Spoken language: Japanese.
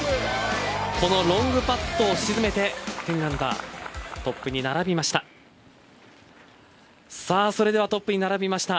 ３このロングパットを沈めて１０アンダートップに並びました。